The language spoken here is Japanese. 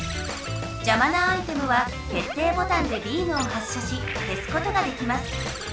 じゃまなアイテムは決定ボタンでビームを発射しけすことができます。